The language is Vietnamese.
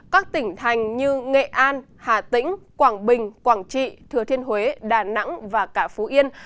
các tỉnh thành như nghệ an hà tĩnh quảng bình quảng trị thừa thiên huế đà nẵng và cả phú yên